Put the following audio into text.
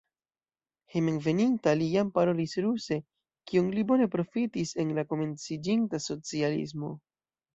Hejmenveninta li jam parolis ruse, kion li bone profitis en la komenciĝinta socialismo.